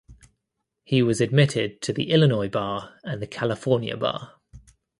He was admitted to the Illinois bar and the California bar.